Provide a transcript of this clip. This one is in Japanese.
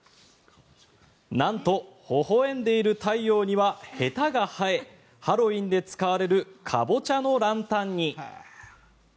なんと、ほほ笑んでいる太陽にはへたが生えハロウィーンで使われるカボチャのランタンに。